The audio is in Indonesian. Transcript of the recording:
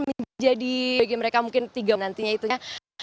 menjadi bagi mereka mungkin tiga menit nantinya itunya